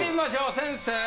先生！